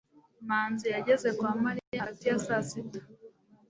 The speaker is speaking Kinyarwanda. manzi yageze kwa mariya hagati ya saa sita